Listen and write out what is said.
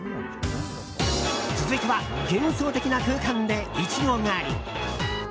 続いては幻想的な空間でイチゴ狩り！